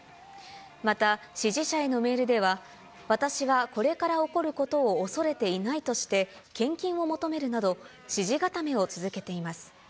また、支持者へのメールでは、私はこれから起こることを恐れていないとして、献金を求めるなど、支持固めを続けています。